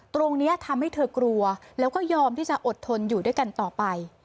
ตรงนี้ทำให้เธอกลัวแล้วก็ยอมที่จะอดทนอยู่ด้วยกันต่อไป